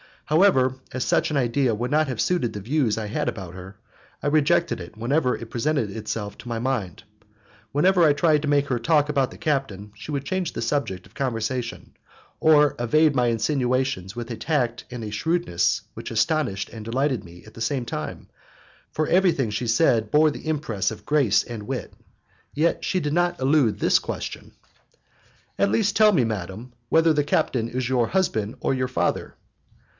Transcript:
However, as such an idea would not have suited the views I had about her, I rejected it whenever it presented itself to my mind. Whenever I tried to make her talk about the captain she would change the subject of conversation, or evade my insinuations with a tact and a shrewdness which astonished and delighted me at the same time, for everything she said bore the impress of grace and wit. Yet she did not elude this question: "At least tell me, madam, whether the captain is your husband or your father."